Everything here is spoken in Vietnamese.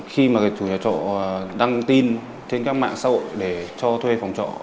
khi mà chủ nhà trọ đăng tin trên các mạng xã hội để cho thuê phòng trọ